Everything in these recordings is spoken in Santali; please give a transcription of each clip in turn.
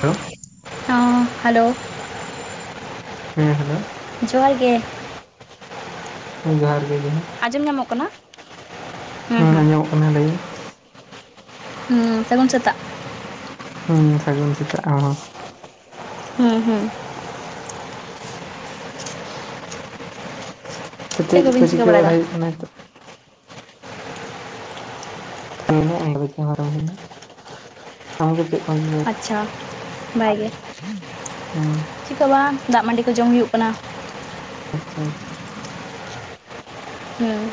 ᱦᱮᱞᱳ ᱦᱚ ᱦᱮᱞᱳ ᱦᱮᱸ ᱦᱮᱞᱳ ᱡᱚᱦᱟᱨ ᱜᱮ ᱦᱮᱸ ᱡᱚᱦᱟᱨ ᱜᱮ ᱡᱚᱦᱟᱨ ᱟᱸᱡᱚᱢ ᱧᱟᱢᱚᱜ ᱠᱟᱱᱟ ᱦᱩᱸ ᱟᱸᱡᱚᱢᱚᱜ ᱠᱟᱱᱟ ᱞᱟᱹᱭ ᱢᱮ ᱦᱩᱸ ᱥᱟᱹᱜᱩᱱ ᱥᱮᱛᱟᱜ ᱦᱩᱸ ᱥᱟᱹᱜᱩᱱ ᱥᱮᱛᱟᱜ ᱦᱚᱭ ᱦᱩᱸ ᱦᱩᱸ ᱛᱚ ᱪᱮᱫ ᱠᱚ ᱪᱤᱠᱟᱹ ᱵᱟᱲᱟᱭ ᱦᱩᱭᱩᱜ ᱠᱟᱱᱟ ᱱᱤᱛᱚᱜ ᱛᱚ ᱱᱩᱱᱟᱹᱜ ᱧᱤᱫᱟᱹ ᱪᱟᱜ ᱮᱢ ᱨᱚᱲ ᱮᱫᱟ ᱟᱢ ᱜᱮ ᱪᱮᱫ ᱠᱚ ᱪᱤᱠᱟᱹᱭ ᱟᱪᱪᱷᱟ ᱵᱷᱟᱜᱮ ᱪᱤᱠᱟᱹ ᱦᱚ ᱵᱟᱝ ᱫᱟᱜ ᱢᱟᱺᱰᱤ ᱠᱚ ᱡᱚᱢ ᱦᱩᱭᱩᱜ ᱠᱟᱱᱟ ᱟᱪᱪᱷᱟ ᱟᱪᱪᱷᱟ ᱦᱩᱸ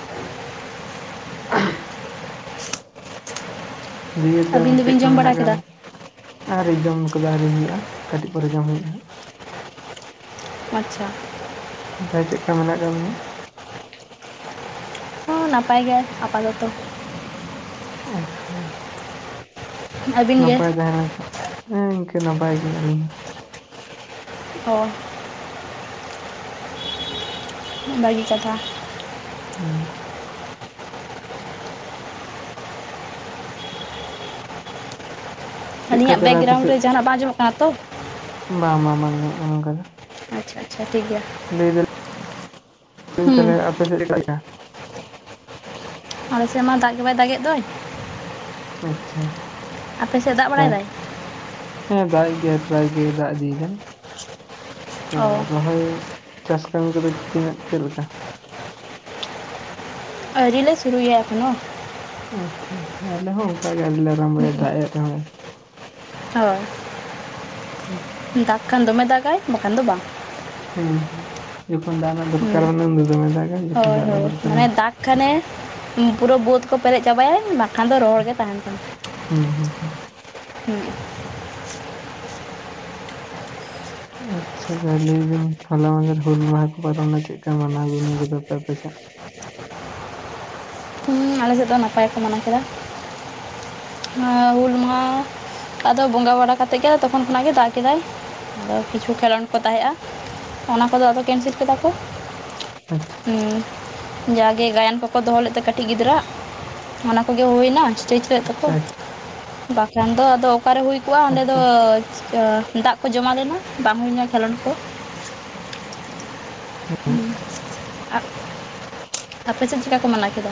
[unintelligible] ᱫᱤᱭᱮ ᱛᱟᱦᱞᱮ ᱟᱹᱵᱤᱱ ᱫᱚᱵᱤᱱ ᱪᱮᱫᱠᱟ ᱡᱚᱢ ᱵᱟᱲᱟ ᱢᱮᱱᱟᱜ ᱟᱠᱟ ᱠᱮᱫᱟ? ᱢᱮᱭᱟ ᱟᱹᱣᱨᱤ ᱡᱚᱢ ᱠᱚᱫᱚ ᱟᱹᱣᱨᱤ ᱦᱩᱭᱩᱜᱼᱟ ᱠᱟᱹᱴᱤᱡ ᱯᱚᱨᱮ ᱡᱚᱢ ᱦᱩᱭᱩᱜᱼᱟ ᱟᱪᱪᱷᱟ ᱛᱟᱦᱞᱮ ᱪᱮᱫᱠᱟ ᱢᱮᱱᱟᱜ ᱟᱠᱟᱫ ᱢᱮᱭᱟ ᱦᱚᱸ ᱱᱟᱯᱟᱭ ᱜᱮᱭᱟ ᱟᱯᱟᱛᱚᱛᱚ ᱟᱪᱪᱷᱟ ᱟᱪᱪᱷᱟ ᱟᱹᱵᱤᱱ ᱜᱮ? ᱱᱟᱯᱟᱭ ᱛᱟᱦᱮᱸ ᱞᱮᱱ ᱠᱷᱟᱱ ᱦᱮᱸ ᱤᱱᱠᱟᱹ ᱱᱟᱯᱟᱭ ᱜᱮ ᱟᱹᱞᱤᱧ ᱦᱚᱸ ᱦᱚᱭ ᱵᱷᱟᱜᱤ ᱠᱟᱛᱷᱟ [inaudible] ᱪᱮᱫᱠᱟ ᱟᱹᱞᱤᱧᱟᱜ ᱛᱟᱦᱚᱞᱮ ᱟᱯᱮ ᱵᱮᱜᱜᱨᱟᱣᱩᱱᱰ ᱥᱮᱫ ᱨᱮ ᱡᱟᱦᱟᱱᱟᱜ ᱵᱟᱝ ᱟᱸᱡᱚᱢᱚᱜ ᱠᱟᱱᱟ ᱛᱚ ᱵᱟᱝ ᱵᱟᱝ ᱵᱟᱝ ᱟᱸᱡᱚᱢᱚᱜ ᱠᱟᱱᱟ ᱚᱱᱠᱟ ᱫᱚ ᱟᱪᱪᱷᱟ ᱟᱪᱪᱷᱟ ᱴᱷᱤᱠ ᱜᱮᱭᱟ ᱞᱟᱹᱭ ᱫᱟᱞᱤᱧ [unintelligible] ᱛᱟᱦᱟᱞᱮ ᱦᱩᱸ ᱟᱯᱮ ᱥᱮᱫ ᱮ ᱫᱟᱜᱮᱜᱼᱟ ᱟᱞᱮ ᱥᱮᱫ ᱢᱟ ᱫᱟᱜ ᱜᱮ ᱵᱟᱭ ᱫᱟᱜᱮᱫ ᱫᱚᱭ ᱟᱪᱪᱷᱟ ᱟᱯᱮ ᱥᱮᱫ ᱫᱟᱜ ᱛᱟ ᱵᱟᱲᱟᱭᱮᱫᱟᱭ ᱦᱮᱸ ᱫᱟᱜ ᱜᱮ ᱯᱨᱟᱭ ᱜᱮ ᱫᱟᱜ ᱤᱫᱤᱭᱮᱫᱟᱭ ᱛᱚ ᱚ ᱨᱚᱦᱚᱭ ᱪᱟᱥ ᱠᱟᱹᱢᱤ ᱠᱚᱫᱚ ᱛᱤᱱᱟᱹᱜ ᱪᱮᱫᱞᱮᱠᱟ ᱟᱹᱣᱨᱤᱞᱮ ᱥᱩᱨᱩ ᱭᱟ ᱮᱠᱷᱚᱱᱳ ᱟᱪᱪᱷᱟ ᱟᱪᱪᱷᱟ ᱟᱞᱮ ᱦᱚᱸ ᱚᱱᱠᱟ ᱜᱮ ᱟᱹᱣᱨᱤᱞᱮ ᱟᱨᱟᱢᱵᱚᱭᱟ ᱦᱩᱸ ᱫᱟᱜ ᱮᱜ ᱨᱮᱦᱚᱭ ᱦᱳᱭ ᱟᱪᱪᱷᱟ ᱫᱟᱜ ᱠᱷᱟᱱ ᱫᱚᱢᱮ ᱫᱟᱜᱟᱭ ᱵᱟᱠᱷᱟᱱ ᱫᱚ ᱵᱟᱝ ᱦᱮᱸ ᱦᱮᱸ ᱡᱚᱠᱷᱚᱱ ᱫᱟᱜ ᱨᱮᱱᱟᱜ ᱦᱩᱸ ᱫᱚᱨᱠᱟᱨ ᱵᱟᱱᱩᱜᱼᱟ ᱩᱱᱫᱚ ᱫᱚᱢᱮ ᱫᱟᱜᱟᱭ ᱡᱚᱠᱷᱚᱱ ᱦᱳᱭ ᱫᱟᱜ ᱦᱳᱭ ᱨᱮᱱᱟᱜ ᱫᱚᱨᱠᱟᱨᱟ ᱢᱟᱱᱮ ᱫᱟᱜᱽ ᱠᱷᱟᱱᱮ ᱯᱩᱨᱟᱹ ᱵᱟᱹᱫᱽ ᱠᱚ ᱯᱮᱨᱮᱡ ᱪᱟᱵᱟᱭᱟᱭ ᱵᱟᱠᱷᱟᱱ ᱫᱚ ᱨᱚᱦᱚᱲ ᱜᱮ ᱛᱟᱦᱮᱱ ᱛᱟᱢᱟ ᱦᱩᱸ ᱦᱩᱸ [unintelligible] ᱟᱪᱪᱷᱟ ᱛᱟᱦᱚᱞᱮ ᱞᱟᱹᱭ ᱵᱤᱱ ᱦᱚᱞᱟ ᱢᱟᱫᱷᱮᱨ ᱦᱩᱞ ᱢᱟᱦᱟ ᱠᱚ ᱯᱟᱨᱚᱢᱮᱱᱟ ᱪᱮᱫ ᱞᱮᱠᱟ ᱢᱟᱱᱟᱣ ᱜᱩᱱᱟᱹᱣ ᱠᱮᱫᱟ ᱯᱮ ᱟᱯᱮᱥᱮᱫ ᱟᱞᱮᱥᱮᱫ ᱫᱚ ᱱᱟᱯᱟᱭ ᱠᱚ ᱢᱟᱱᱟᱣ ᱠᱮᱫᱟ ᱦᱮᱸ ᱦᱩᱞ ᱢᱟᱦᱟ ᱟᱫᱚ ᱵᱚᱸᱜᱟ ᱵᱟᱲᱟ ᱠᱟᱛᱮ ᱜᱮ ᱛᱚᱠᱷᱚᱱ ᱠᱷᱚᱱᱟᱜ ᱜᱮ ᱫᱟᱜ ᱠᱮᱫᱟᱭ ᱟᱫᱚ ᱠᱤᱪᱷᱩ ᱠᱷᱮᱞᱳᱰ ᱠᱚ ᱛᱟᱦᱮᱸᱜᱼᱟ ᱚᱱᱟ ᱠᱚᱫᱚ ᱟᱫᱚ ᱠᱮᱱᱥᱮᱞ ᱠᱮᱫᱟ ᱠᱚ ᱟᱪᱪᱷᱟ ᱦᱮᱸ ᱡᱟᱜᱮ ᱜᱟᱭᱟᱱ ᱠᱚᱠᱚ ᱫᱚᱦᱚ ᱞᱮᱫ ᱛᱟᱦᱮ ᱠᱟᱹᱴᱤᱡ ᱜᱤᱫᱽᱨᱟᱹ ᱟᱜ ᱚᱱᱟ ᱠᱚᱜᱮ ᱦᱩᱭ ᱮᱱᱟ ᱮᱥᱴᱮᱡ ᱞᱮᱫ ᱫᱚᱠᱚ ᱟᱪᱪᱷᱟ ᱟᱪᱪᱷᱟ ᱵᱟᱠᱷᱟᱱ ᱫᱚ ᱟᱫᱚ ᱚᱠᱟᱨᱮ ᱦᱩᱭ ᱠᱚᱼᱟ ᱚᱸᱰᱮ ᱫᱚ ᱟᱪᱪᱷᱟ ᱫᱟᱜ ᱠᱚ ᱡᱚᱢᱟ ᱞᱮᱱᱟ ᱵᱟᱝ ᱦᱩᱭᱱᱟ ᱠᱷᱮᱞᱳᱰ ᱠᱚ [unintelligible] ᱟᱯᱮ ᱥᱮᱫ ᱪᱮᱫ ᱞᱮᱠᱟ ᱠᱚ ᱢᱟᱱᱟᱣ ᱠᱮᱫᱟ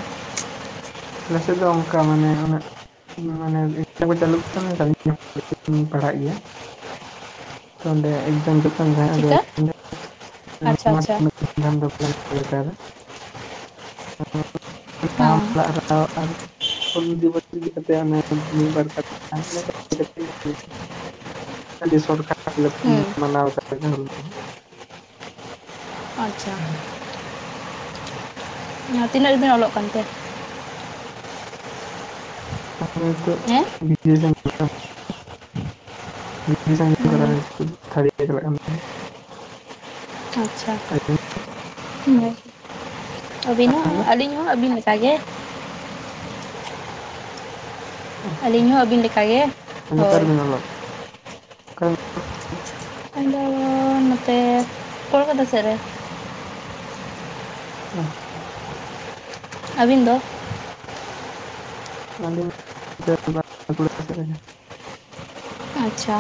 ᱟᱞᱮᱥᱮᱫ ᱫᱚ ᱚᱱᱠᱟ ᱢᱟᱱᱮ [unintelligible] ᱢᱟᱱᱮ [unintelligible] ᱠᱚ ᱪᱟᱹᱞᱩ ᱠᱟᱱᱟ [inaudible] ᱯᱟᱲᱦᱟᱜ ᱜᱮᱭᱟ ᱚᱸᱰᱮ ᱮᱠᱡᱟᱢ ᱡᱚᱠᱦᱚᱱ [inaudible] [inaudible] ᱪᱮᱠᱟ ᱟᱪᱪᱷᱟ ᱟᱪᱪᱷᱟ ᱫᱚ ᱚᱠᱟᱨᱮ [inaudible] ᱦᱮᱸ ᱼᱼ ᱦᱩᱞ ᱫᱤᱵᱚᱥ ᱤᱫᱤ ᱠᱟᱛᱮ ᱚᱱᱟ ᱢᱤᱫ ᱵᱟᱨᱟᱨ ᱠᱟᱛᱷᱟ ᱤᱱᱟ [inaudible] ᱟᱹᱰᱤ ᱥᱚᱴ ᱠᱷᱟᱴ ᱛᱮ ᱞᱮ ᱦᱩᱸ ᱢᱟᱱᱟᱣᱟ ᱫᱟ [inaudible] ᱟᱪᱪᱷᱟ [unintelligible] ᱚ ᱛᱤᱱᱟᱹᱜ ᱨᱮᱵᱤᱱ ᱚᱞᱚᱜ ᱠᱟᱱᱛᱮ [inaudible] ᱱᱤᱛᱚᱜ ᱦᱮᱸ [inaudible] [inaudible] ᱦᱩᱸ ᱛᱷᱟᱲ ᱤᱭᱟᱲ ᱪᱟᱞᱟᱜ ᱠᱟᱱᱟ ᱛᱟᱞᱤᱧᱟ ᱟᱪᱪᱷᱟ ᱟᱹᱵᱤᱱ ᱦᱚᱸ ᱟᱵᱤᱱ ᱫᱚ ᱟᱹᱞᱤᱧ ᱦᱚᱸ ᱟᱹᱵᱤᱱ ᱞᱮᱠᱟᱜᱮ ᱟᱪᱪᱷᱟ ᱟᱹᱞᱤᱧ ᱦᱚᱸ ᱟᱹᱵᱤᱱ ᱞᱮᱠᱟᱜᱮ ᱟᱫᱚ ᱚᱠᱟ ᱦᱳᱭ ᱨᱮᱵᱤᱱ ᱚᱞᱚᱜ ᱛᱮ ᱤᱧ ᱫᱚ ᱱᱚᱛᱮ ᱠᱳᱞᱠᱟᱛᱟ ᱥᱮᱫ ᱨᱮ ᱟᱪᱪᱷᱟ ᱟᱪᱪᱷᱟ ᱟᱹᱵᱤᱱ ᱫᱚ ᱟᱞᱤᱧ ᱫᱚ ᱵᱟᱠᱩᱲᱟ ᱥᱮᱫ ᱨᱮᱜᱮ ᱟᱪᱪᱷᱟ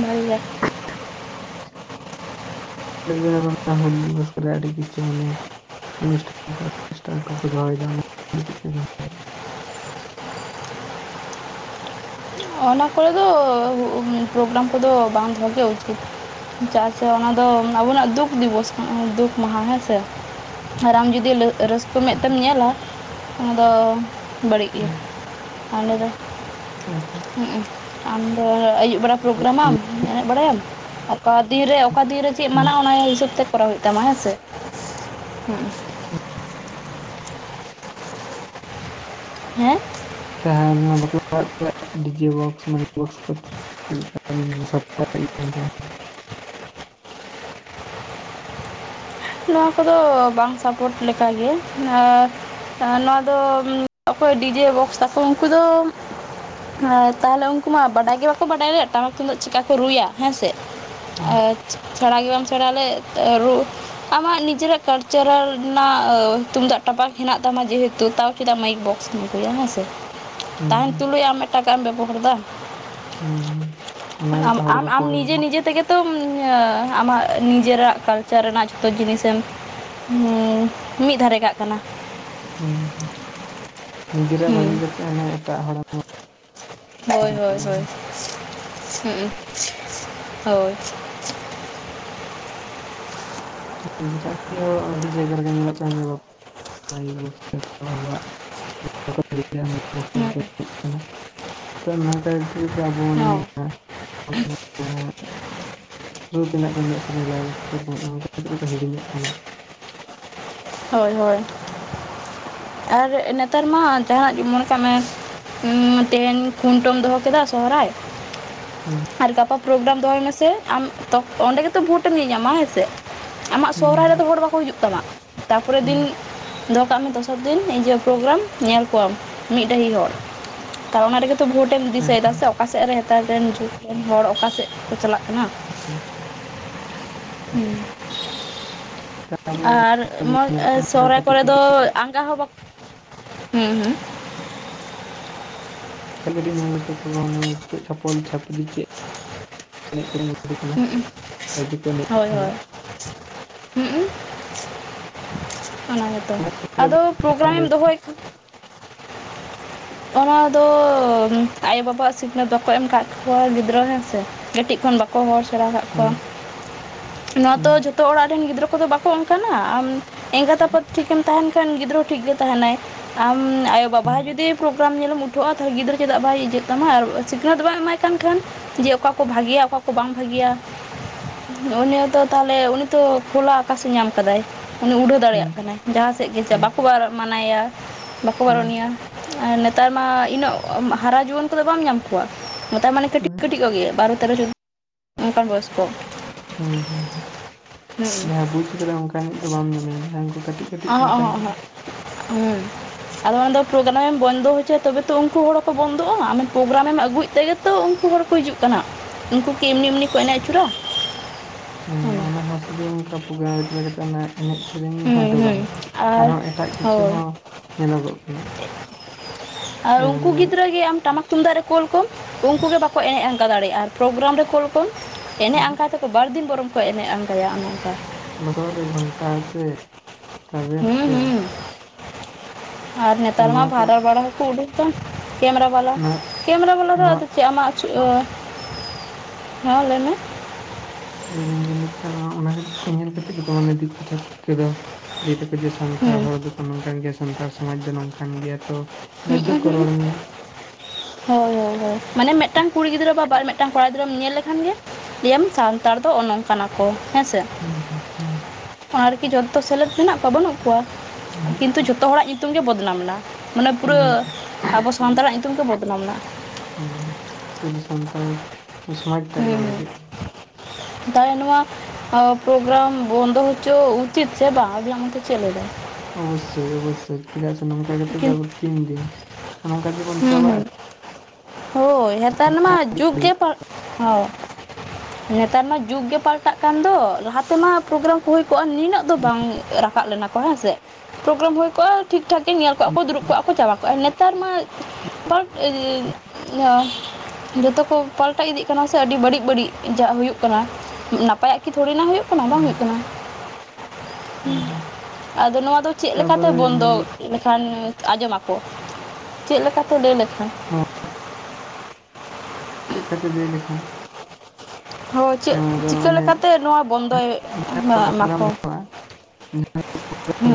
ᱵᱷᱟᱜᱤ ᱜᱮ [unintelligible] ᱦᱩᱞ ᱫᱤᱵᱚᱥ ᱠᱚᱨᱮ ᱟᱹᱰᱤ ᱠᱤᱪᱩ ᱢᱟᱱᱮ ᱚᱱᱥᱴᱟᱱ ᱠᱚ ᱚᱨᱜᱮᱥᱴᱟᱨ ᱠᱚ ᱠᱚ ᱫᱚᱦᱚᱭ ᱫᱟ [inaudible] ᱚᱱᱟ ᱠᱚᱨᱮ ᱫᱚ ᱯᱨᱳᱜᱨᱟᱢ ᱠᱚᱫᱚ ᱵᱟᱝ ᱫᱚᱦᱚ ᱜᱮ ᱩᱪᱤᱛ ᱟᱪᱪᱷᱟ ᱟᱪᱪᱷᱟ ᱚᱱᱟ ᱫᱚ ᱟᱵᱚᱱᱟᱜ ᱫᱩᱠ ᱫᱤᱵᱚᱥ ᱠᱟᱱᱟ ᱫᱩᱠ ᱢᱟᱦᱟ ᱦᱮᱸᱥᱼ ᱟᱨ ᱟᱢ ᱡᱩᱫᱤ ᱨᱟᱹᱥᱠᱟᱹ ᱢᱮᱫ ᱛᱮᱢ ᱧᱮᱞᱟ ᱚᱱᱟᱫᱚ ᱵᱟᱹᱲᱤᱡ [inaudible] ᱟᱪᱪᱷᱟ ᱦᱩᱸᱩ ᱟᱢ ᱫᱚ ᱟᱹᱭᱩᱵ ᱵᱮᱲᱟ ᱯᱨᱳᱜᱨᱟᱢᱟᱢ ᱮᱱᱮᱡ ᱵᱟᱲᱟᱭᱟᱢ ᱚᱠᱟ ᱫᱤᱱ ᱨᱮ ᱚᱠᱟ ᱫᱤᱱ ᱨᱮ ᱪᱮᱫ ᱦᱩᱸ ᱢᱟᱱᱟᱜᱼᱟ ᱚᱱᱟ ᱦᱤᱥᱟᱹᱵᱽ ᱛᱮ ᱠᱚᱨᱟᱣ ᱦᱩᱭᱩᱜ ᱛᱟᱢᱟ ᱦᱮᱸ ᱥᱮ ᱦᱩᱸ ᱦᱮᱸ ᱛᱟᱦᱮᱸ ᱞᱮᱱᱟ ᱵᱟᱯᱞᱟ ᱚᱲᱟᱜ ᱠᱚᱨᱮ ᱰᱤᱡᱮ ᱵᱚᱠᱥ ᱢᱟᱭᱤᱠ ᱵᱚᱠᱥ ᱠᱟᱛᱮ ᱱᱚᱣᱟ ᱠᱚᱫᱚ ᱵᱟᱝ ᱥᱟᱯᱳᱨᱴ ᱞᱮᱠᱟᱜᱮ ᱟᱨ ᱟ ᱱᱚᱣᱟ ᱫᱚ ᱚᱠᱚᱭ ᱰᱤᱡᱮ ᱵᱚᱠᱥ ᱛᱟᱠᱚ ᱩᱱᱠᱩ ᱫᱚ ᱟᱨ ᱛᱟᱦᱞᱮ ᱩᱱᱠᱩ ᱢᱟ ᱵᱟᱰᱟᱭ ᱜᱮ ᱵᱟᱠᱚ ᱵᱟᱰᱟᱭ ᱞᱮᱫ ᱴᱟᱢᱟᱠ ᱛᱩᱢᱫᱟᱹᱜ ᱪᱤᱠᱟ ᱠᱚ ᱨᱩᱭᱟ ᱦᱮᱸ ᱥᱮ ᱦᱩᱸ ᱟᱨ ᱪᱷᱟᱲᱟ ᱜᱮ ᱵᱟᱢ ᱥᱮᱲᱟ ᱞᱮᱫ ᱨᱩ ᱟᱢᱟᱜ ᱱᱤᱡᱮᱨᱟᱜ ᱠᱟᱞᱪᱟᱨᱟᱞ ᱨᱮᱱᱟᱜ ᱛᱩᱢᱫᱟᱜ ᱴᱟᱢᱟᱠ ᱦᱮᱱᱟᱜ ᱛᱟᱢᱟ ᱡᱮᱦᱮᱛᱩ ᱛᱟᱣ ᱪᱮᱫᱟᱜ ᱢᱟᱭᱤᱠ ᱵᱚᱠᱥ ᱫᱚᱢ ᱟᱹᱜᱩᱭᱟ ᱦᱮᱸ ᱥᱮ ᱦᱩᱸ ᱛᱟᱦᱮᱱ ᱦᱩᱸ ᱛᱩᱞᱩᱡ ᱟᱢ ᱮᱴᱟᱜᱟᱜ ᱮᱢ ᱵᱮᱵᱚᱦᱟᱨ ᱫᱟ ᱦᱩᱸ ᱚᱱᱟ ᱜᱮᱛᱚ ᱦᱚᱲ ᱟᱢ ᱵᱟᱠᱚ ᱟᱢ ᱵᱩᱡ ᱱᱤᱡᱮ ᱮᱫᱟ ᱱᱤᱡᱮ ᱛᱮ ᱛᱚᱢ ᱟᱢᱟᱜ ᱱᱤᱡᱮᱨᱟᱜ ᱠᱟᱞᱪᱟᱨ ᱨᱮᱱᱟᱜ ᱛᱚ ᱡᱤᱱᱤᱥ ᱮᱢ ᱢᱤᱫ ᱫᱷᱟᱨᱮ ᱠᱟᱜ ᱠᱟᱱᱟ ᱦᱩᱸ ᱱᱤᱡᱮᱨᱟᱜ ᱵᱟᱹᱜᱤ ᱦᱩᱸ ᱠᱟᱛᱮᱜ ᱦᱟᱱᱮ ᱮᱴᱟᱜ ᱦᱚᱲ ᱮᱢ ᱦᱳᱭ ᱦᱳᱭ ᱦᱳᱭ ᱦᱩᱸᱩ ᱦᱳᱭ [inaudible] ᱟᱹᱰᱤ ᱡᱟᱭᱜᱟ ᱨᱮᱜᱮ ᱧᱮᱞᱚᱜ ᱠᱟᱱ ᱡᱮ ᱢᱟᱭᱤᱠ ᱵᱚᱠᱥ ᱟᱵᱚᱣᱟᱜ [inaudible] ᱢᱤᱠ ᱵᱚᱠᱥ ᱛᱮᱜᱮ ᱠᱚ ᱦᱮᱡ ᱠᱟᱱᱟ ᱛᱚ ᱱᱚᱝᱠᱟ ᱛᱮᱜ ᱟᱵᱚ ᱢᱟᱱᱮ ᱦᱳᱭ [inaudible] ᱨᱩ ᱛᱤᱱᱟᱹᱜ ᱜᱟᱱ ᱮᱱᱮᱡ ᱥᱮᱨᱮᱧ ᱞᱟᱭ ᱞᱮ [inaudible] ᱦᱤᱲᱤᱧᱚᱜ ᱠᱟᱱᱟ ᱦᱳᱭ ᱦᱳᱭ ᱟᱨ ᱱᱮᱛᱟᱨ ᱢᱟ ᱡᱟᱦᱟᱱᱟᱜ ᱜᱮ ᱢᱚᱱᱮ ᱠᱟᱜ ᱢᱮ ᱛᱮᱦᱮᱧ ᱠᱷᱩᱱᱴᱟᱹᱣᱢ ᱫᱚᱦᱚ ᱠᱮᱫᱟ ᱥᱚᱦᱨᱟᱭ ᱦᱩᱸ ᱟᱨ ᱜᱟᱯᱟ ᱯᱨᱳᱜᱨᱟᱢ ᱫᱚᱦᱚᱭ ᱢᱮᱥᱮ ᱟᱢ ᱚᱸᱰᱮ ᱜᱮᱛᱚ ᱵᱷᱳᱴᱮᱢ ᱮᱢ ᱧᱮᱧᱟᱢᱟ ᱦᱮᱸᱥᱮ ᱟᱢᱟᱜ ᱦᱩᱸ ᱥᱚᱦᱨᱟᱭ ᱨᱮᱫᱚ ᱦᱚᱲ ᱵᱟᱠᱚ ᱦᱤᱡᱩᱜ ᱛᱟᱢᱟ ᱛᱟᱨᱯᱚᱨᱮᱨ ᱦᱩᱸ ᱫᱤᱱ ᱫᱚᱦᱚ ᱠᱟᱜ ᱢᱮ ᱫᱚᱥᱟᱨ ᱫᱤᱱ ᱦᱤᱡᱩᱜ-ᱟ ᱯᱨᱳᱜᱨᱟᱢ ᱧᱮᱞ ᱠᱚᱣᱟᱢ ᱢᱤᱫ ᱰᱟᱹᱦᱤ ᱦᱚᱲ ᱛᱟᱶ ᱚᱱᱟ ᱨᱮᱜᱮ ᱛᱚ ᱵᱷᱳᱴ ᱮᱢ ᱦᱮᱸ ᱫᱤᱥᱟᱹᱭᱫᱟ ᱥᱮ ᱚᱠᱟ ᱥᱮᱫ ᱨᱮ [inaudible] ᱦᱚᱲ ᱚᱠᱟᱥᱮᱫ ᱠᱚ ᱪᱟᱞᱟᱜ ᱠᱟᱱᱟ ᱦᱩᱸᱩ ᱦᱮᱸ [inaudible] ᱛᱟᱯᱚᱨᱮ ᱟᱨ ᱢᱚᱡ ᱧᱮᱞᱚᱜ ᱠᱟᱱᱟ ᱠᱚ ᱥᱚᱦᱨᱟᱭ ᱠᱟᱹᱴᱤᱡ ᱠᱚᱨᱮ ᱫᱚ ᱠᱟᱹᱴᱤᱡ ᱟᱸᱜᱟ ᱦᱚᱸ ᱵᱟ ᱦᱩᱸᱦᱩᱸ ᱠᱟᱹᱴᱤᱡ ᱠᱟᱹᱴᱤᱡ ᱢᱮᱟᱝ ᱢᱮᱛᱟᱠᱚᱣᱟ ᱦᱟᱱᱮ ᱪᱮᱫ ᱪᱷᱟᱯᱚᱞ ᱪᱷᱟᱹᱯᱨᱤ ᱪᱮᱫ [unintelligible] ᱠᱚ ᱮᱱᱮᱡ ᱠᱟᱱᱟ ᱦᱩᱸ ᱚᱱᱟ ᱜᱮᱛᱚ ᱟᱫᱚ ᱞᱟᱹᱭ ᱯᱨᱳᱜᱨᱟᱢᱮᱢ ᱫᱚᱦᱚᱭ ᱠᱷᱟᱱ ᱚᱱᱟ ᱫᱚ ᱟᱭᱳ ᱵᱟᱵᱟᱣᱟᱜ ᱥᱤᱠᱷᱱᱟᱹᱛ ᱵᱟᱠᱚ ᱮᱢ ᱟᱠᱟᱫ ᱠᱚᱣᱟ ᱜᱤᱫᱨᱟᱹ ᱦᱮᱸ ᱥᱮ ᱠᱟᱹᱴᱤᱡ ᱠᱷᱚᱱ ᱵᱟ ᱠᱚ ᱦᱚᱲ ᱥᱮᱲᱟ ᱟᱠᱟᱫ ᱠᱚᱣᱟ ᱦᱩᱸ ᱱᱚᱣᱟ ᱦᱩᱸ ᱛᱚ ᱡᱷᱚᱛᱚ ᱚᱲᱟᱜ ᱨᱮᱱ ᱜᱤᱫᱨᱟᱹ ᱠᱚᱫᱚ ᱵᱟᱠᱚ ᱚᱱᱠᱟᱱᱟ ᱟᱢ ᱮᱸᱜᱟᱛ ᱟᱯᱟᱛ ᱴᱷᱤᱠᱮᱢ ᱛᱟᱦᱮᱱ ᱠᱷᱟᱱ ᱜᱤᱫᱽᱨᱟᱹ ᱴᱷᱤᱠ ᱜᱮ ᱛᱟᱦᱮᱱᱟᱭ ᱟᱢ ᱟᱭᱳᱼᱵᱟᱵᱟ ᱡᱩᱫᱤ ᱯᱨᱳᱜᱨᱟᱢ ᱧᱮᱞᱮᱢ ᱩᱴᱷᱟᱜ-ᱟ ᱛᱟᱦᱞᱮ ᱜᱤᱫᱨᱟᱹ ᱪᱮᱫᱟᱜ ᱵᱟᱭ ᱤᱡᱟᱹᱜ ᱛᱟᱢᱟ ᱟᱨ ᱥᱤᱠᱷᱱᱟᱹᱛ ᱵᱟᱭ ᱮᱢᱟᱭ ᱠᱟᱱ ᱠᱷᱟᱱ ᱡᱮ ᱚᱠᱟ ᱠᱚ ᱵᱷᱟᱹᱜᱤᱭᱟ ᱚᱠᱟ ᱠᱚ ᱵᱟᱝ ᱵᱷᱟᱹᱜᱤᱭᱟ᱾ ᱩᱱᱤ ᱛᱚ ᱛᱟᱦᱞᱮ ᱩᱱᱤ ᱛᱚ ᱠᱷᱳᱞᱟ ᱟᱠᱟᱥᱮ ᱧᱟᱢ ᱟᱠᱟᱫᱟᱭ ᱩᱱᱤ ᱩᱰᱷᱟᱹᱣ ᱫᱟᱲᱮᱭᱟᱜ ᱦᱩᱸ ᱠᱟᱱᱟᱭ ᱡᱟᱦᱟᱸ ᱥᱮᱫ ᱜᱮ ᱪᱟ ᱦᱩᱸ ᱵᱟᱠᱚ ᱢᱟᱱᱟᱣᱮᱭᱟ ᱵᱟᱠᱚ ᱵᱟᱨᱚᱱᱮᱭᱟ ᱟᱨ ᱱᱮᱛᱟᱨ ᱢᱟ ᱩᱱᱟᱹᱜ ᱦᱟᱨᱟ ᱡᱩᱣᱟᱹᱱ ᱠᱚᱫᱚ ᱵᱟᱢ ᱧᱟᱢ ᱠᱚᱣᱟ ᱱᱮᱛᱟᱨ ᱢᱟᱱᱮ ᱠᱟᱹᱴᱤᱡ ᱦᱩᱸ ᱠᱟᱹᱴᱤᱡ ᱠᱚᱜᱮ ᱵᱟᱨᱚ ᱛᱮᱨᱚ ᱪᱚᱫᱳ ᱚᱱᱠᱟᱱ ᱵᱚᱭᱚᱥ ᱠᱚ ᱦᱮᱸ ᱦᱩᱸ ᱦᱩᱸ ᱡᱟᱦᱟᱸ ᱵᱩᱡ ᱟᱠᱟᱫᱟ ᱚᱱᱠᱟᱱᱤᱡ ᱫᱚ ᱵᱟᱢ ᱧᱟᱢᱮᱭᱟ ᱡᱟᱦᱟᱸᱭ ᱩᱱᱠᱩ ᱠᱟᱹᱴᱤᱡ ᱠᱟᱹᱴᱤᱡ ᱚᱱᱠᱟᱱ ᱠᱚᱜᱮ [unintelligible] ᱦᱩ ᱟᱫᱚ ᱚᱱᱟᱫᱚ ᱯᱨᱳᱜᱨᱟᱢᱮ ᱮᱢ ᱵᱚᱱᱫᱚ ᱯᱨᱳᱜᱨᱟᱢ ᱵᱚᱱᱫᱚ ᱦᱚᱪᱚᱭᱟ ᱛᱚᱵᱮ ᱛᱚ ᱩᱱᱠᱩ ᱦᱚᱲ ᱦᱚᱸᱠᱚ ᱵᱚᱱᱫᱚᱜ-ᱟ᱾ᱟᱢ ᱯᱨᱳᱜᱨᱟᱢᱮ ᱮᱢ ᱟᱹᱜᱩᱭᱮᱫ ᱛᱮᱜᱮ ᱛᱚ ᱩᱱᱠᱩ ᱦᱚᱲ ᱠᱚ ᱦᱤᱡᱩᱜ ᱠᱟᱱᱟ, ᱩᱱᱠᱩ ᱠᱤ ᱮᱢᱱᱤ ᱮᱢᱱᱤ ᱠᱚ ᱮᱱᱮᱡ ᱟᱹᱪᱩᱨᱟ? ᱦᱸ ᱦᱩᱸ ᱚᱱᱟ ᱦᱚᱸ ᱥᱩᱫᱩ ᱚᱱᱠᱟ ᱯᱨᱳᱜᱨᱟᱢ ᱨᱮ ᱪᱟᱞᱟᱣ ᱠᱟᱛᱮᱜ ᱚᱱᱟ ᱮᱱᱮᱡ ᱥᱮᱨᱮᱧ ᱦᱚᱸ ᱫᱚ ᱵᱟᱝ᱾ ᱦᱩᱸ ᱟᱨ ᱟᱨᱦᱚᱸ ᱮᱴᱟᱜ ᱠᱤᱪᱷᱩ ᱦᱳᱭ ᱦᱚᱸ ᱧᱮᱞᱚᱜᱚᱜ ᱠᱟᱱᱟ, ᱟᱨ ᱩᱱᱠᱩ ᱡᱮᱢᱚᱱ ᱜᱤᱫᱽᱨᱟᱹ ᱜᱮ ᱟᱢ ᱴᱟᱢᱟᱠ ᱛᱩᱢᱫᱟᱜ ᱨᱮ ᱠᱳᱩᱞ ᱠᱚᱢ ᱩᱱᱠᱩ ᱜᱮ ᱵᱟᱠᱚ ᱮᱱᱮᱡ ᱟᱝᱠᱟ ᱫᱟᱲᱮᱭᱟᱜ-ᱟ, ᱟᱨ ᱯᱨᱳᱜᱨᱟᱢ ᱨᱮ ᱠᱳᱞ ᱠᱚᱢ ᱮᱱᱮᱡ ᱟᱸᱜᱟᱭ ᱛᱮᱟᱠᱚ ᱵᱟᱨᱫᱤᱱ ᱵᱚᱨᱚᱝᱠᱚ ᱮᱱᱮᱡ ᱟᱸᱜᱟᱭᱟ ᱚᱱᱮ ᱚᱱᱠᱟ᱾ ᱞᱚᱥᱚᱫ ᱨᱮ ᱜᱷᱞᱴᱟ ᱛᱮ ᱛᱟᱵᱮᱨ ᱦᱩᱸ ᱛᱮ, ᱦᱩᱸ ᱟᱨ ᱛᱚ ᱱᱮᱛᱟᱨ ᱢᱟ ᱱᱚᱣᱟ ᱠᱚ ᱵᱷᱟᱨ ᱵᱟᱲᱟ ᱠᱚ ᱩᱰᱩ ᱟᱠᱟᱱ ᱠᱮᱢᱮᱨᱟ ᱵᱟᱞᱟ ᱱᱚᱣᱟ ᱠᱮᱢᱮᱨᱟ ᱵᱟᱞᱟ ᱫᱚ ᱟᱫᱚ ᱱᱚᱣᱟ ᱪᱮᱫ ᱟᱜᱪᱩᱨ, ᱦᱮᱸ ᱞᱟᱹᱭᱢᱮ ᱞᱟᱹᱭᱫᱟᱹᱧ ᱡᱮ ᱱᱤᱛᱟᱨ ᱚᱱᱟ ᱧᱮᱞ ᱠᱟᱛᱮ ᱜᱮ ᱫᱤᱠ ᱯᱚᱪᱷᱟ ᱫᱤᱠᱩ ᱠᱚᱫᱚ ᱞᱟᱹᱭ ᱫᱟᱠᱚ ᱡᱟᱥ ᱥᱟᱱᱛᱟᱲ ᱦᱩᱸ ᱦᱚᱲ ᱫᱚᱠᱚ ᱱᱚᱝᱠᱟᱱ ᱜᱮᱭᱟ, ᱥᱟᱱᱛᱟᱲ ᱥᱚᱢᱟᱡᱽ ᱫᱚ ᱱᱚᱝᱠᱟᱱ ᱜᱮᱭᱟ᱾ᱛᱚ [unintelligible] ᱦᱳᱭ ᱦᱳᱭ ᱦᱳᱭ ᱢᱟᱱᱮ ᱢᱤᱫᱴᱟᱝ ᱠᱩᱲᱤ ᱜᱤᱫᱨᱟᱹ ᱵᱟ ᱵᱟᱨ ᱢᱤᱫᱴᱟᱝ ᱠᱚᱲᱟ ᱜᱤᱫᱨᱟᱹᱢ ᱧᱮᱞ ᱞᱮᱠᱷᱟᱱ ᱜᱮ ᱞᱮᱭᱟᱢ ᱥᱟᱱᱛᱟᱲ ᱫᱚ ᱚᱱᱚᱝ ᱠᱟᱱᱟ ᱠᱚ ᱦᱮᱸ ᱥᱮ? ᱦᱩᱸ ᱦᱩᱸ ᱦᱮᱸ ᱟᱨᱠᱤ ᱡᱚᱛᱚ ᱥᱮᱞᱮᱫ ᱢᱮᱱᱟᱜ ᱠᱚᱣᱟ ᱵᱟᱹᱱᱩᱜ ᱠᱚᱣᱟ ᱦᱩᱸ ᱠᱤᱱᱛᱩ ᱡᱚᱛᱚ ᱦᱚᱲᱟᱜ ᱧᱩᱛᱩᱢ ᱜᱮ ᱵᱚᱫᱱᱟᱢᱱᱟ᱾ ᱢᱟᱱᱮ ᱯᱩᱨᱟᱹ ᱦᱩᱸ ᱦᱩᱸ ᱟᱵᱚ ᱥᱟᱱᱛᱟᱲᱟᱜ ᱧᱩᱛᱩᱢ ᱜᱮ ᱵᱚᱫᱱᱟᱢ ᱱᱟ᱾ ᱩᱸ ᱯᱩᱨᱟᱹ ᱥᱟᱱᱛᱟᱲ ᱥᱚᱢᱟᱡ ᱴᱟᱜ ᱜᱮ ᱵᱟᱹᱲᱤᱡᱚᱜ-ᱟ᱾ ᱛᱟᱣ ᱱᱚᱣᱟ ᱯᱨᱳᱜᱨᱟᱢ ᱵᱚᱱᱫᱚ ᱦᱚᱪᱚ ᱩᱪᱤᱛ ᱪᱮ ᱵᱟᱝ ᱟᱵᱤᱱᱟ ᱢᱚᱱᱮᱛᱮ ᱪᱮᱞᱟᱭ ᱫᱟᱭ? ᱚᱵᱚᱥᱥᱳᱭ ᱚᱵᱚᱥᱥᱳᱭ ᱪᱮᱫᱟᱜ ᱥᱮ ᱱᱚᱝᱠᱟ ᱠᱟᱛᱮᱫ ᱫᱚ ᱦᱩᱸ ᱟᱵᱚ ᱛᱤᱱ ᱫᱤᱱ ᱱᱚᱝᱠᱟ ᱛᱮᱵᱚᱱ ᱪᱟᱵᱟᱜ-ᱟ᱾ ᱦᱩᱸ ᱦᱳᱭ ᱱᱮᱛᱟᱨ ᱢᱟ ᱡᱩᱜ ᱜᱮ ᱯᱟᱞ ᱦᱚ ᱱᱮᱛᱟᱨ ᱢᱟ ᱡᱩᱜ ᱜᱮ ᱯᱟᱞ ᱯᱟᱞᱴᱟᱠᱟᱱᱫᱚ ᱞᱟᱦᱟ ᱛᱮᱢᱟ ᱯᱨᱳᱜᱨᱟᱢ ᱠᱚ ᱦᱩᱭ ᱠᱚᱜ-ᱟ ᱱᱤᱱᱟᱹᱜ ᱫᱚ ᱵᱟᱝ ᱨᱟᱠᱟᱵ ᱞᱮᱱᱟ ᱠᱚ ᱦᱮᱸᱥᱮ᱾ ᱯᱨᱳᱜᱨᱟᱢ ᱦᱩᱭ ᱠᱚᱜ-ᱟ, ᱴᱷᱤᱠ ᱴᱷᱟᱠ ᱜᱮ ᱧᱮᱞ ᱠᱚᱜ-ᱟ ᱠᱚ ᱫᱩᱲᱩᱵ ᱠᱚᱜ-ᱟ ᱠᱚ ᱪᱟᱵᱟ ᱠᱚᱜ-ᱟ᱾ ᱱᱮᱛᱟᱨ ᱢᱟ [unintelligible] ᱡᱷᱚᱛᱚ ᱠᱚ ᱯᱟᱞᱴᱟᱣ ᱤᱫᱤᱜ ᱠᱟᱱᱟ ᱥᱮ ᱟᱹᱰᱤ ᱵᱟᱹᱲᱤᱡ ᱵᱟᱹᱲᱤᱡ ᱡᱟᱜ ᱦᱩᱭᱩᱜ ᱠᱟᱱᱟ᱾ ᱱᱟᱯᱟᱭᱟᱜ ᱠᱤ ᱛᱷᱚᱲᱮᱱᱟᱜ ᱦᱩᱭᱩᱜ ᱠᱟᱱᱟ ᱵᱟᱝ ᱦᱩᱭᱩᱜ ᱠᱟᱱᱟ᱾ ᱟᱫᱚ ᱱᱚᱣᱟ ᱫᱚ ᱪᱮᱫ ᱞᱮᱠᱟᱛᱮ ᱛᱟᱯᱚᱨᱮ ᱵᱚᱱᱫᱚ ᱧᱮᱞ ᱞᱮᱠᱷᱟᱱ ᱟᱸᱡᱚᱢᱟᱠᱚ? ᱪᱮᱫ ᱞᱮᱠᱟᱛᱮ ᱞᱮᱭᱞᱮᱠᱷᱟᱱ? ᱱᱚᱣᱟ ᱪᱮᱫ ᱠᱷᱟᱹᱛᱤᱨ ᱞᱟᱹᱭ ᱞᱮᱠᱷᱟᱱ ᱦᱳᱭ ᱪᱮᱫ ᱱᱚᱣᱟ ᱫᱚ ᱪᱤᱠᱟᱹ ᱚᱱᱮ ᱞᱮᱠᱟᱛᱮ ᱱᱚᱣᱟ ᱵᱚᱱᱫᱚᱭ ᱡᱟᱦᱟᱸ ᱯᱨᱳᱜᱨᱟᱢ ᱢᱟᱠᱚ ᱫᱚᱦᱚᱜᱼᱟ ᱡᱟᱦᱟᱸ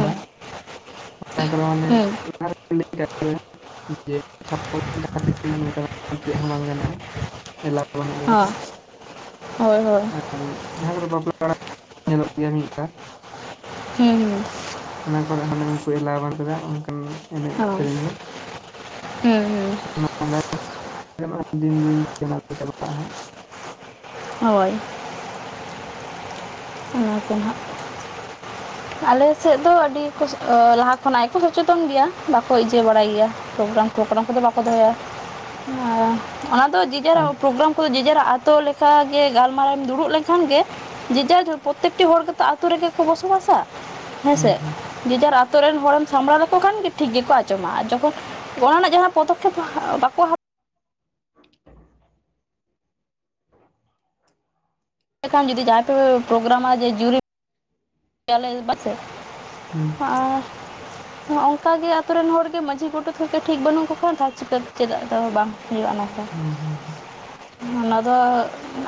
ᱫᱚ ᱢᱟᱱᱮ ᱦᱩᱸ ᱵᱟᱝ ᱜᱟᱱᱚᱜᱼᱟ ᱮᱞᱟᱣ ᱵᱟᱹᱱᱩᱜ ᱠᱟᱫᱟ ᱦᱚᱸ ᱦᱳᱭ ᱦᱳᱭ ᱟᱨ ᱡᱟᱦᱟᱸ ᱠᱚ ᱨᱮ [unintelligible] ᱧᱮᱞᱚᱜ ᱜᱮᱭᱟ ᱱᱤᱝᱠᱟ ᱦᱩᱸ ᱦᱩᱸ ᱚᱱᱟ ᱠᱚᱨᱮᱜ ᱦᱟᱱᱮ ᱩᱱᱠᱩ ᱮᱞᱟᱣ ᱚᱱᱠᱟᱱ ᱮᱱᱮᱡ ᱦᱩᱸ ᱦᱳᱭ ᱥᱮᱨᱮᱧ ᱦᱩᱸ ᱫᱚ ᱫᱤᱱ ᱫᱤᱱ ᱪᱟᱜ ᱦᱳᱭ ᱚᱱᱟ ᱠᱚ ᱦᱟᱸᱜ᱾ [inaudible] ᱟᱞᱮᱥᱮᱫ ᱫᱚ ᱟᱹᱰᱤ ᱠᱚ ᱞᱟᱦᱟ ᱠᱷᱚᱱᱟᱜ ᱜᱮᱠᱚ ᱥᱚᱪᱮᱛᱚᱱ ᱜᱮᱭᱟ ᱵᱟᱠᱚ ᱤᱭᱟᱹ ᱵᱟᱲᱟᱭ ᱜᱮᱭᱟ᱾ ᱯᱨᱳᱜᱨᱟᱢ ᱯᱨᱳᱜᱨᱟᱢ ᱠᱚᱫᱚ ᱵᱟᱠᱚ ᱫᱚᱦᱚᱭᱟ ᱚᱱᱟ ᱫᱚ ᱡᱤᱡᱮ ᱨᱟᱜ ᱦᱟᱸᱜ ᱯᱨᱳᱜᱨᱟᱢ ᱠᱚ ᱡᱮᱡᱟ ᱨᱟᱜ ᱟᱛᱚ ᱞᱮᱠᱟᱜᱮ ᱜᱟᱞᱢᱟᱨᱟᱣ ᱮᱢ ᱫᱩᱲᱩᱜ ᱞᱮᱱᱠᱷᱟᱱ ᱜᱮ ᱡᱮᱡᱟᱨ [unintelligible] ᱯᱨᱚᱛᱛᱮᱠᱴᱤ ᱦᱚᱲ ᱜᱮᱛᱚ ᱟᱹᱛᱩ ᱨᱮᱜᱮ ᱠᱚ ᱵᱚᱥᱚᱵᱟᱥᱟ ᱦᱮᱸᱥᱮ ᱦᱩᱸ ᱡᱮᱡᱟᱨ ᱟᱛᱳ ᱨᱮᱱ ᱦᱚᱲᱮᱢ ᱥᱟᱢᱵᱲᱟᱣ ᱞᱮᱠᱚ ᱠᱷᱟᱱ ᱜᱮᱮ ᱴᱷᱤᱠ ᱜᱮᱠᱚ ᱟᱸᱡᱚᱢᱟ ᱟᱨ ᱡᱚᱠᱷᱚᱱ ᱚᱱᱟ ᱨᱮᱱᱟᱜ ᱡᱟᱦᱟᱸ ᱯᱚᱫᱚᱠᱠᱷᱮᱯ ᱢᱟ ᱵᱟᱠᱚ ᱦᱟᱛᱟᱣ ᱮᱠᱷᱟᱱ ᱡᱩᱫᱤ ᱡᱟᱦᱟᱸᱭ ᱯᱮ ᱯᱨᱳᱜᱨᱟᱢᱟ ᱡᱮ ᱡᱩᱨᱤ [unintelligible] ᱦᱚᱸ ᱦᱚᱸ ᱚᱱᱠᱟᱜᱮ ᱟᱛᱳ ᱨᱮᱱ ᱦᱚᱲᱜᱮ ᱢᱟᱹᱡᱷᱤ ᱜᱚᱰᱮᱛ ᱠᱚᱜᱮ ᱴᱷᱤᱠ ᱵᱟᱹᱱᱩᱜ ᱠᱚ ᱠᱷᱱᱟ ᱪᱤᱠᱟᱹ ᱪᱮᱫᱟᱜ ᱫᱚ ᱵᱟᱝ ᱦᱩᱭᱩᱜᱼᱟ ᱱᱚᱝ ᱠᱟ ᱦᱩᱸ ᱦᱩᱸ ᱦᱩᱸ ᱚᱱᱟ ᱫᱚ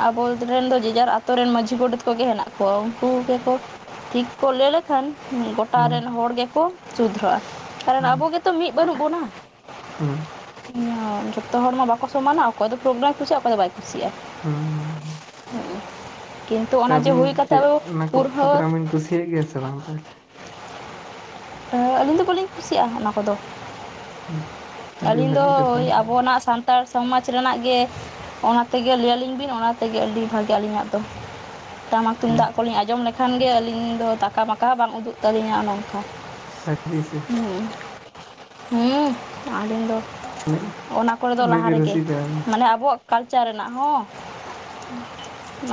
ᱟᱵᱚ ᱨᱮᱱ ᱫᱚ ᱡᱮᱡᱟᱨ ᱟᱛᱚ ᱨᱮᱱ ᱢᱟᱹᱡᱷᱤ ᱜᱚᱰᱮᱛ ᱠᱚᱜᱮ ᱦᱮᱱᱟᱜ ᱠᱚᱣᱟ ᱩᱱᱠᱩ ᱜᱮᱠᱚ ᱴᱷᱤᱠ ᱠᱚ ᱞᱟᱹᱭ ᱞᱮᱠᱷᱟᱱ ᱜᱚᱴᱟ ᱦᱩᱸ ᱨᱮᱱ ᱦᱚᱲ ᱜᱮᱠᱚ ᱥᱩᱫᱷᱨᱟᱹᱜᱼᱟ ᱠᱟᱨᱚᱱ ᱦᱩᱸ ᱟᱵᱚ ᱜᱮᱛᱚ ᱢᱤᱫ ᱵᱟᱹᱱᱩᱜ ᱵᱚᱱᱟ ᱾ ᱦᱩᱸ ᱡᱚᱛᱚ ᱦᱚᱲ ᱢᱟ ᱵᱟᱠᱚ ᱥᱚᱢᱟᱱᱟ ᱚᱠᱚᱭ ᱫᱚ ᱯᱨᱳᱜᱨᱟᱢ ᱮ ᱠᱩᱥᱤᱭᱟᱜᱼᱟ ᱚᱠᱚᱭ ᱫᱚ ᱵᱟᱭ ᱠᱩᱥᱤᱭᱟᱜᱼᱟ ᱾ ᱦᱩᱸ ᱩᱸ ᱛᱚ ᱟᱹᱵᱤᱱ ᱪᱮᱫ ᱚᱱᱟᱠᱚ ᱯᱩᱨᱦᱟᱹ ᱯᱨᱳᱜᱨᱟᱢ ᱵᱤᱱ ᱠᱩᱥᱤᱭᱟᱜ ᱜᱮᱭᱟ ᱥᱮ ᱵᱟᱝ ᱛᱟᱦᱚᱞᱮ? ᱟᱹᱞᱤᱧ ᱫᱚ ᱵᱟᱹᱞᱤᱧ ᱠᱩᱥᱤᱭᱟᱜᱼᱟ ᱚᱱᱟ ᱠᱚᱫᱚ ᱟᱹᱰᱤ ᱟᱹᱞᱤᱧ ᱫᱚ ᱵᱷᱟᱹᱜᱤ ᱠᱟᱛᱷᱟ ᱳᱭ ᱵᱤᱱ ᱞᱟᱹᱭ ᱠᱮᱫᱟ᱾ ᱟᱵᱚᱱᱟᱜ ᱥᱟᱱᱛᱟᱲ ᱥᱚᱢᱟᱡᱽ ᱨᱮᱱᱟᱜ ᱜᱮ ᱚᱱᱟ ᱛᱮᱜᱮ ᱞᱟᱹᱭ ᱟᱹᱞᱤᱧ ᱵᱤᱱ ᱚᱱᱟ ᱛᱮᱜᱮ ᱟᱹᱰᱤ ᱵᱷᱟᱹᱜᱮ ᱟᱹᱞᱤᱧᱟᱜ ᱫᱚ ᱴᱟᱢᱟᱠ ᱟᱪᱪᱷᱟ ᱛᱩᱢᱫᱟᱜ ᱟᱪᱪᱷᱟ ᱠᱚᱞᱤᱧ ᱟᱸᱡᱚᱢ ᱞᱮᱠᱷᱟᱱ ᱜᱮ ᱟᱹᱞᱤᱧ ᱫᱚ ᱫᱟᱠᱟ ᱢᱟᱠᱟ ᱦᱚᱸ ᱵᱟᱝ ᱩᱫᱩᱜ ᱛᱟᱹᱞᱤᱧᱟ ᱱᱚᱝᱠᱟ ᱥᱮ ᱦᱩᱸ ᱦᱩᱸ ᱟᱹᱞᱤᱧ ᱫᱚ ᱩᱱᱟᱹᱜ ᱚᱱᱟ ᱠᱚᱨᱮ ᱫᱚ ᱩᱱᱟᱹᱜ ᱞᱟᱦᱟ ᱜᱮ ᱨᱮᱜᱮ ᱨᱩᱥᱤᱠᱟ ᱟᱹᱵᱤᱱ ᱢᱟᱱᱮ ᱟᱵᱚᱣᱟᱜ ᱠᱟᱞᱪᱟᱨ ᱨᱮᱱᱟᱜ ᱦᱚᱸ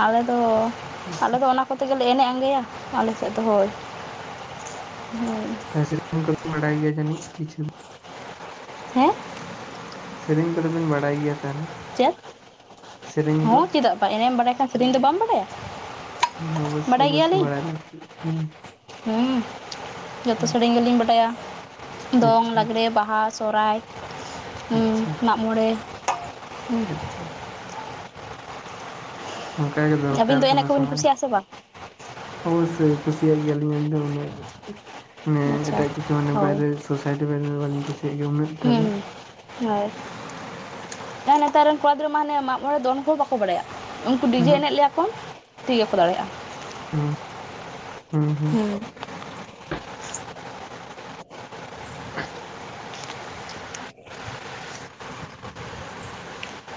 ᱟᱞᱮ ᱫᱚ ᱟᱪᱪᱷᱟ ᱟᱞᱮ ᱫᱚ ᱟᱪᱪᱷᱟ ᱚᱱᱟ ᱠᱚ ᱛᱮ ᱜᱮᱞᱮ ᱮᱱᱮᱡ ᱟᱸᱜᱮᱭᱟ ᱟᱞ ᱥᱮᱫ ᱫᱚ ᱦᱳᱭ ᱦᱩ ᱵᱟᱰᱟᱭ ᱜᱮᱭᱟ ᱡᱟᱱᱤ ᱠᱤᱪᱷᱩ ᱫᱚ ᱦᱮᱸ ᱥᱮᱨᱮᱧ ᱠᱚᱫᱚ ᱵᱤᱱ ᱵᱟᱲᱟᱭ ᱜᱮᱭᱟ ᱛᱟᱦᱚᱞᱮ ᱪᱮᱫ ᱥᱮᱨᱮᱧ ᱠᱚ ᱦᱚᱸ ᱪᱮᱫᱟᱜ ᱵᱟᱝ ᱮᱱᱮᱡ ᱮᱢ ᱵᱟᱲᱟᱭ ᱠᱷᱟᱱ ᱥᱮᱨᱮᱧ ᱫᱚ ᱵᱟᱢ ᱵᱟᱲᱟᱭᱟ? ᱚᱵᱳᱥᱥᱳᱭ ᱚᱵᱳᱥᱥᱳᱭ ᱵᱟᱲᱟᱭ ᱞᱟᱠᱛᱤᱜ ᱠᱟᱱᱟ ᱾ ᱦᱩᱸ ᱡᱚᱛᱚ ᱥᱮᱨᱮᱤᱧ ᱜᱮᱞᱤᱧ ᱵᱟᱰᱟᱭᱟ ᱫᱚᱝ, ᱟᱪᱪᱷᱟ ᱞᱟᱜᱽᱬᱮ, ᱟᱪᱪᱷᱟ ᱵᱟᱦᱟ, ᱥᱚᱦᱨᱟᱭ ᱦᱩ ᱟᱪᱪᱷᱟ ᱢᱟᱜ ᱢᱚᱬᱮ ᱦᱩᱸ, ᱟᱪᱪᱷᱟ ᱚᱱᱠᱟᱜᱮ ᱟᱹᱵᱤᱱ ᱫᱚᱨᱠᱟᱨ ᱫᱚ ᱮᱱᱮᱡ ᱠᱟᱱᱟ ᱠᱚᱵᱤᱱ ᱥᱚᱢᱟᱡᱽ ᱠᱩᱥᱤᱭᱟᱜᱼᱟ ᱥᱮ ᱵᱟᱝ ᱚᱵᱳᱥᱥᱳᱭ ᱠᱩᱥᱤᱭᱟᱜ ᱜᱮᱭᱟ ᱞᱤᱧ ᱮᱠᱫᱚᱢ ᱢᱟᱱᱮ ᱟᱪᱪᱷᱟ ᱮᱴᱟᱜ ᱠᱤᱪᱷᱩ ᱢᱟᱱᱮ ᱦᱳᱭ ᱵᱟᱭᱨᱮ ᱥᱳᱥᱟᱭᱤᱴᱤ ᱵᱟᱭᱨᱮ ᱵᱟᱞᱤᱧ ᱠᱩᱥᱤᱭᱟᱜ ᱜᱮᱭᱟ ᱩᱱᱟᱹᱜ ᱴᱟ ᱫᱚ ᱦᱩᱸ ᱦᱳᱭ ᱟᱨ ᱱᱮᱛᱟᱨ ᱨᱮᱱ ᱠᱚᱲᱟ ᱜᱤᱨᱟᱹ ᱢᱟ ᱦᱟᱱᱮ ᱢᱟᱜᱚᱬᱮ ᱫᱚᱱ ᱠᱚ ᱵᱟ ᱠᱚ ᱵᱟᱲᱟᱭᱟ ᱩᱱᱠᱩ ᱰᱤᱡᱮ ᱩᱦᱩᱜ ᱮᱱᱮᱡ ᱞᱮᱭᱟ ᱠᱚᱢ ᱴᱷᱤᱠ ᱜᱮᱠᱚ ᱫᱟᱲᱮᱜᱼᱟ ᱦᱮᱸ ᱦᱮᱸ ᱦᱩᱸ [inaudible]